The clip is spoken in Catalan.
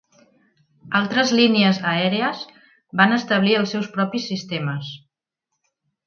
Altres línies aèries van establir els seus propis sistemes.